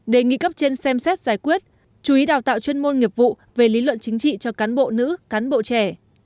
đề nghị cấp trên xem xét giải quyết chú ý đào tạo chuyên môn nghiệp vụ về lý luận chính trị cho cán bộ nữ cán bộ trẻ